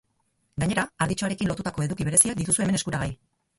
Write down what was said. Gainera, arditxoarekin lotutako eduki bereziak dituzu hemen eskuragai.